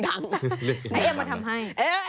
นายเอ็มมาทำให้